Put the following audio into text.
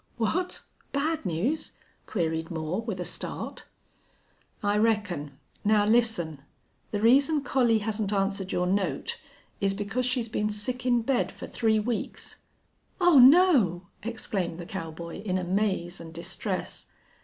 "What! Bad news?" queried Moore, with a start. "I reckon. Now listen.... The reason Collie hasn't answered your note is because she's been sick in bed for three weeks." "Oh no!" exclaimed the cowboy, in amaze and distress.